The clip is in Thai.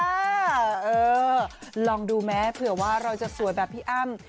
เออลองดูไหมเผื่อว่าเราจะสวยแบบพี่อ้ำ